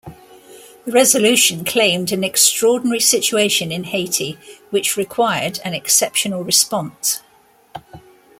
The resolution claimed an extraordinary situation in Haiti, which required an exceptional response.